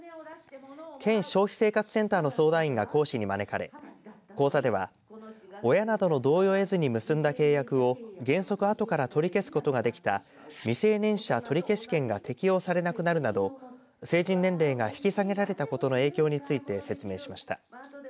県消費生活センターの相談員が講師に招かれ講座では親などの同意を得ずに結んだ契約を原則あとから取り消すことができた未成年者取消権が適用されなくなるなど成人年齢が引き下げられたことの影響について説明しました。